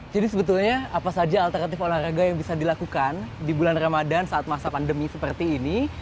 jadi sebetulnya apa saja alternatif olahraga yang bisa dilakukan di bulan ramadan saat masa pandemi seperti ini